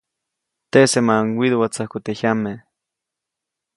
Teʼsemaʼuŋ widuʼwätsäjku teʼ jyame.